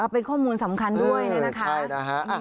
เป็นข้อมูลสำคัญด้วยนะคะ